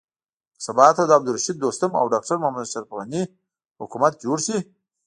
که سبا ته د عبدالرشيد دوستم او ډاکټر محمد اشرف حکومت جوړ شي.